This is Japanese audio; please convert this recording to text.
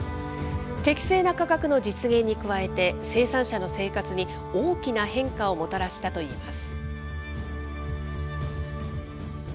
適正な価格の実現に加えて、生産者の生活に大きな変化をもたらしたといいます。